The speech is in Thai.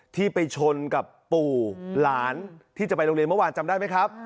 ที่ไปชนกับปู่หลานที่จะไปโรงเรียนเมื่อวานจำได้ไหมครับ